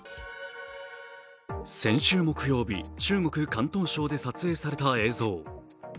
先週木曜日、中国広東省で撮影された映像。